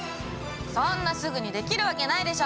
そんなすぐに出来るわけないでしょ！